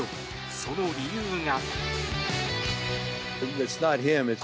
その理由が。